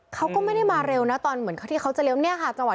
เขาก็ไม่ได้มาเร็วนะตอนจะเลี่ยวถ้าถ้า๒๐๒๕